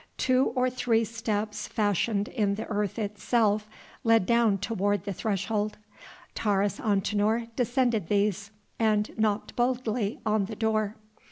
Two or three steps fashioned in the earth itself led down toward the threshold. Taurus Antinor descended these and knocked boldly on the door.